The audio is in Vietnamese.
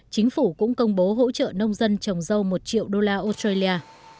chính phủ cũng công bố hỗ trợ nông dân trồng dâu một triệu đô la australia